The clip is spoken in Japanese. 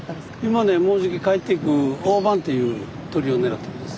今ねもうじき帰っていくオオバンという鳥を狙っています。